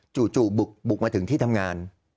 จู่บุกมาถึงที่ทำงาน